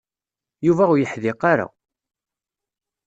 Yuba ur yeḥdiq ara.